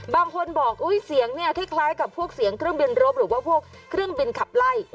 บางคนบอกว่าเสียงเท่ห์คล้ายกับเสียงเครื่องบินรบหรือเครื่องบินขับไล่